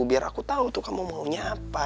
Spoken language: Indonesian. biar aku tahu tuh kamu maunya apa